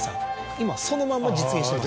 今そのまま実現してます。